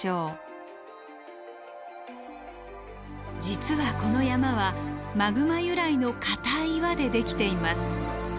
実はこの山はマグマ由来の硬い岩でできています。